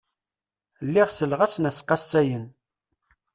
Lliɣ selleɣ-asen a skasayen.